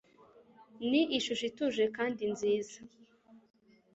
ni ishusho ituje kandi nziza